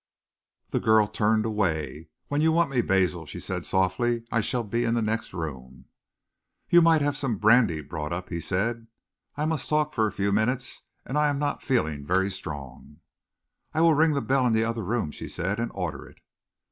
The girl turned away. "When you want me, Basil," she said softly, "I shall be in the next room." "You might have some brandy brought up," he said. "I must talk for a few minutes, and I am not feeling very strong." "I will ring the bell in the other room," she said, "and order it."